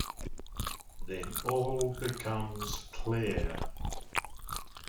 Then all becomes clear.